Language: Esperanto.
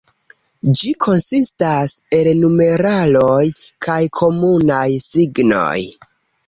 Ĝi konsistas el numeraloj kaj komunaj signoj.